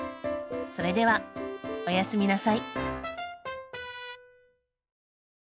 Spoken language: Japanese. それではおやすみなさい。